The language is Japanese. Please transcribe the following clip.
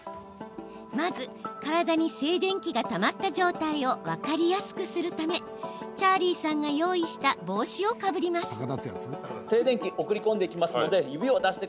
まず、体に静電気がたまった状態を分かりやすくするためチャーリーさんが用意した帽子をかぶります。